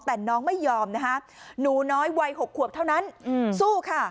แต่น้องไม่ยอมนะคะหนูน้อยวัย๖ขวบเท่านั้นสู้ค่ะ